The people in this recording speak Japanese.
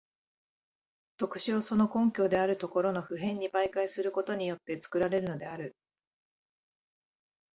特殊をその根拠であるところの普遍に媒介することによって作られるのである。